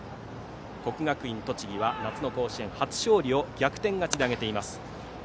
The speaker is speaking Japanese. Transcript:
国学院栃木は夏の甲子園初勝利を逆転勝ちで挙げています。